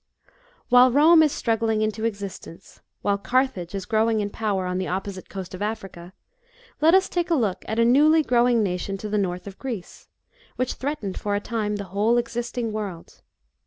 WHILE Rome is struggling into existence, while Carthage is growing in power oil the opposite coast of Africa, let us take a look at a newly growing nation to the north of Greece, which threatened for a time the whole existing world.